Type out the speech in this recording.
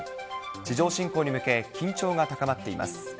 地上侵攻に向け、緊張が高まっています。